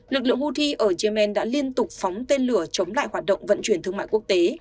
lực lượng houthi ở yemen đã liên tục phóng tên lửa chống lại hoạt động vận chuyển thương mại quốc tế